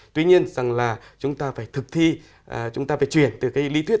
tuy nhiên rằng là chúng ta phải thực thi chúng ta phải chuyển từ cái lý thuyết